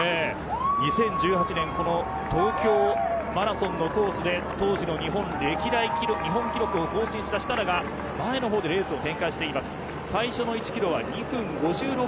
２０１８年この東京マラソンのコースで当時の日本記録を更新した設楽が前の方でレースを展開しています。